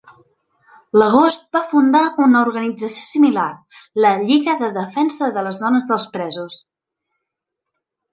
L'agost va fundar una organització similar, la Lliga de defensa de les Dones dels Presos.